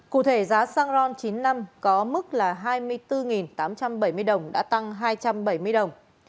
cụ thể giá xăng ron chín mươi năm có mức là hai mươi bốn tám trăm bảy mươi đồng đã tăng hai trăm bảy mươi đồng